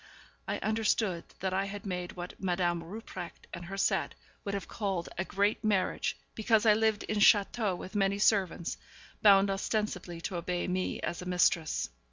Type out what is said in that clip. I understood that I had made what Madame Rupprecht and her set would have called a great marriage, because I lived in château with many servants, bound ostensibly to obey me as a mistress.